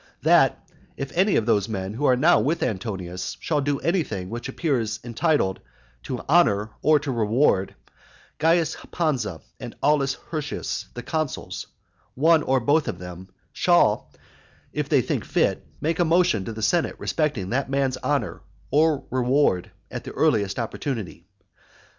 That, if any one of those men who are now with Antonius shall do anything which appears entitled to honour or to reward, Caius Pansa and Aulus Hirtius the consuls, one or both of them, shall, if they think fit, make a motion to the senate respecting that man's honour or reward, at the earliest opportunity.